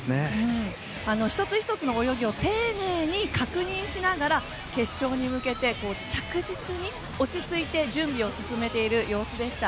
１つ１つの泳ぎを丁寧に確認しながら決勝に向けて着実に落ち着いて準備を進めている様子でした。